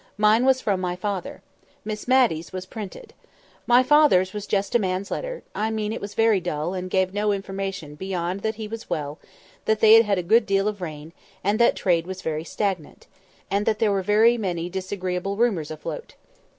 Mine was from my father. Miss Matty's was printed. My father's was just a man's letter; I mean it was very dull, and gave no information beyond that he was well, that they had had a good deal of rain, that trade was very stagnant, and there were many disagreeable rumours afloat.